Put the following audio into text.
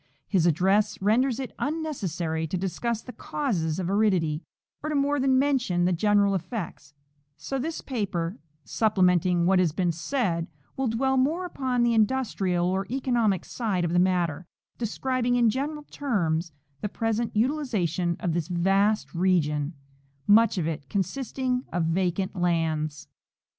His address renders it unnecessary to discuss the causes of aridity, or to more than mention the general effects ; so this paper, supplementing what has been said, will dwell more upon the industrial or economic side of the matter, describing in general terms the present utilization of this vast region, much of it consisting of vacant lands.